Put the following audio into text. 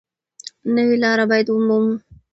نوې لاره باید ومومو.